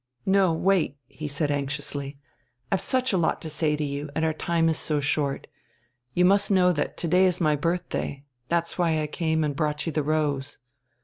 "No, wait," he said anxiously. "I've such a lot to say to you, and our time is so short. You must know that to day is my birthday that's why I came and brought you the rose."